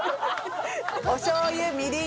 おしょう油みりん